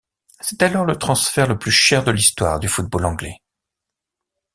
C'est alors le transfert le plus cher de l'histoire du football anglais.